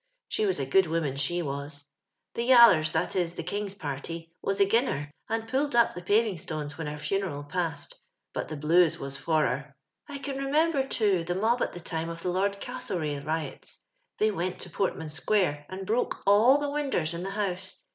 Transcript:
Slie was a good wi»mftn, the was. Tho Yullors, that is, the king's p.irty, was agin her, and pullc<l u{) tlio paving stoius when her funeral passed ; but tlie lilucs was for her. '* 1 can remember, too, tlio mob at the time of the Lord Gastlerrngh riots. They went to roi'tman square and broke all the winders in tho house.